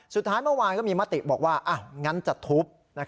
สุดท้ายเมื่อวานก็มีมติบอกว่างั้นจะทุบ